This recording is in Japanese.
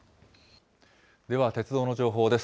では、鉄道の情報です。